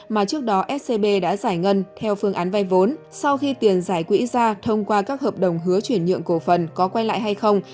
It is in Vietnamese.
mà trước đó scb đã giải ngân theo phương án vay vốn sau khi tiền giải quỹ ra thông qua các hợp đồng hứa chuyển nhượng cổ phần có quay lại hay không